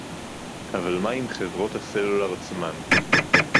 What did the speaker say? אבל מה עם חברות הסלולר עצמן